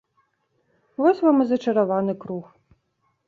Вось вам і зачараваны круг.